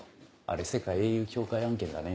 あれ世界英雄協会案件だね。